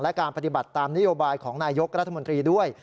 และการปฏิบัติตามนโยบายของนายยกรัฐมนตรีด้วย